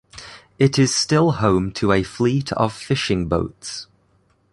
It is still home to a fleet of fishing boats.